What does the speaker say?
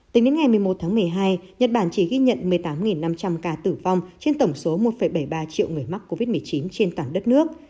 tính đến ngày một mươi một tháng một mươi hai nhật bản chỉ ghi nhận một mươi tám năm trăm linh ca tử vong trên tổng số một bảy mươi ba triệu người mắc covid một mươi chín trên toàn đất nước